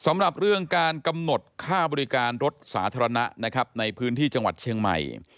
สำหรับเรื่องการกำหนดค่าบริการรถสาธารณะนะครับในพื้นที่จังหวัดเชียงใหม่